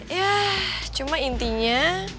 yah cuma intinya